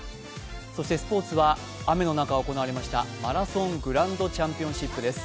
そしてスポーツは雨の中行われましたマラソングランドチャンピオンシップです。